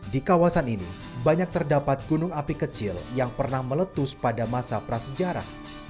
di kawasan ini banyak terdapat gunung api kecil yang pernah meletus pada masa prasejarah